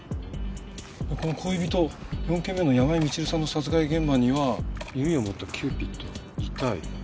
この恋人４件目の山井満留さんの殺害現場には弓を持ったキューピッド遺体２体の人形。